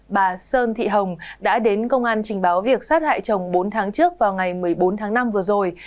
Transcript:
bà sơn thị hồng đã đến công an trình báo việc sát hại chồng bốn tháng trước vào ngày một mươi bốn tháng năm vừa rồi